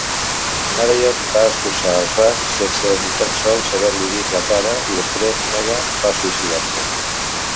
Narayan va expulsar a Raj sense ni tan sols haver-li vist la cara i després Megha va suïcidar-se.